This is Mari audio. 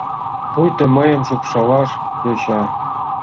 Пуйто мыйым шупшалаш тӧча...